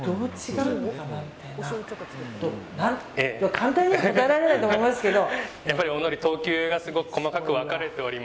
簡単には答えられないと思いますけど。